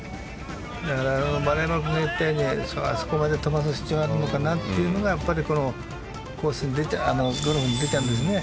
丸山君が言ったようにあそこまで飛ばす必要があるのかなというのがやっぱりゴルフに出ちゃうんですね。